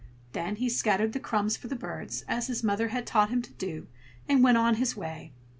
Then he scattered the crumbs for the birds, as his mother had taught him to do, and went on his way.